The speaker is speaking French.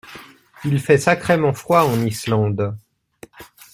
Il fait sacrément froid en Islande.